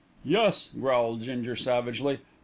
"Yus!" growled Ginger savagely.